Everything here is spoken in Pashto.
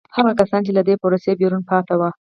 هغه کسان چې له دې پروسې بیرون پاتې وو.